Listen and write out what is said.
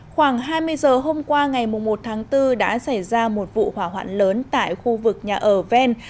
khoảng hai mươi giờ hôm qua ngày một tháng bốn đã xảy ra một vụ hỏa hoạn lớn tại khu vực nhà ở ven